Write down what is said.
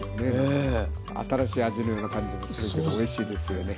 新しい味のような感じもするけどおいしいですよね。